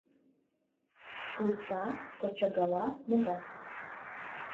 Пуста кӧчагала мура.